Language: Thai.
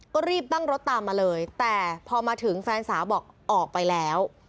ก็รีบตั้งรถตามมาเลยแต่พอมาถึงแฟนสาวบอกออกไปแล้ว